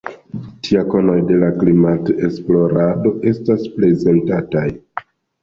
Tie konoj de la klimat-esplorado estas prezentataj.